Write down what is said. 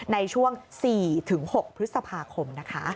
ในช่วง๔๖พฤษภาคม